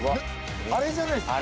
あれじゃないですか？